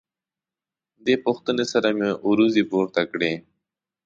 دې پوښتنې سره مې وروځې پورته کړې.